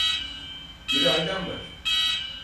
Bir ailem var.